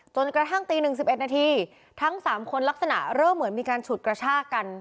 จนกระทั่งตี๑๑นาทีทั้ง๓คนลักษณะเริ่มเหมือนมีการฉุดกระชากัน